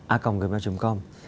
a còng gmail com